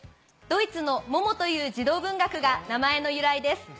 ドイツの『モモ』という児童文学が名前の由来です。